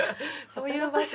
そういう場所？